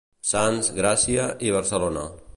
Sants, Gràcia i Barcelona.